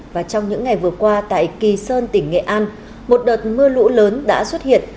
và trong những ngày vừa qua tại kỳ sơn tỉnh nghệ an một đợt mưa lũ lớn đã xuất hiện